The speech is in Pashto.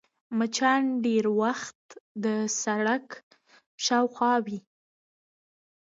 مچان ډېری وخت د سړک شاوخوا وي